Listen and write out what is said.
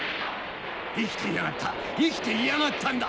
生きていやがった生きていやがったんだ！